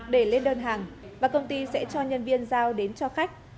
để lên đơn hàng và công ty sẽ cho nhân viên giao đến cho khách